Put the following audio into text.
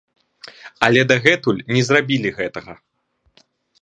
Але дагэтуль не зрабілі гэтага.